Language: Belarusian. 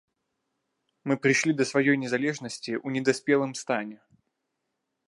Мы прыйшлі да сваёй незалежнасці ў недаспелым стане.